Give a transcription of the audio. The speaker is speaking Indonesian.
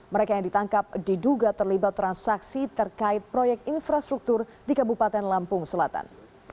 mereka yang ditangkap diduga terlibat transaksi terkait proyek infrastruktur di kabupaten lampung selatan